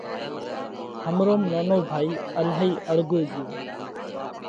همروم نونو ڀائي الهائِي اۯڳو ڳيو